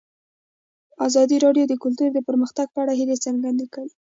ازادي راډیو د کلتور د پرمختګ په اړه هیله څرګنده کړې.